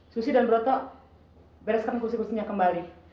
susi dan broto bereskan kursi kursinya kembali